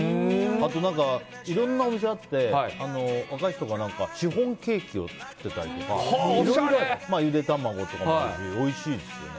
あと、いろんなお店があって若い人とかが、シフォンケーキを作っていたりとかゆで卵とかもあるしおいしいですよね。